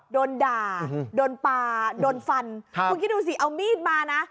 โดนด่าโดนปลาโดนฟันคุณคิดดูสิเอามีดมานะ